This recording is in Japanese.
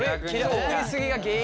送り過ぎが原因で。